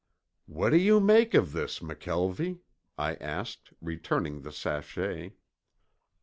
"What do you make of this, McKelvie?" I asked, returning the sachet.